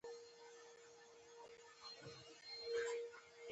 هسې د اوزار په سترګه ورته کتلي دي.